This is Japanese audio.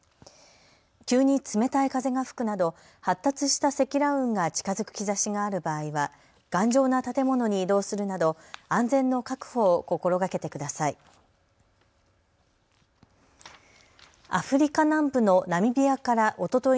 急に冷たい風が吹くなど発達した積乱雲が近づく兆しがある場合は頑丈な建物に移動するなど安全の確保を心がけてください。